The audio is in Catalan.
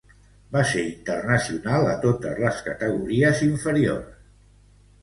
Va ser internacional a totes les categories inferiors de la selecció espanyola.